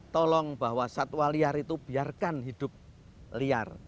tolong bahwa satwa liar itu biarkan hidup liar